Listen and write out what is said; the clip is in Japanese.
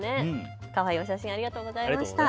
お写真、ありがとうございました。